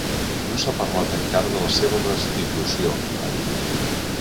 No s’ha parlat encara de la seva restitució, ha dit.